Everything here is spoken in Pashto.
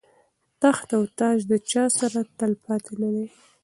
تخت او تاج د چا سره تل پاتې نه دی.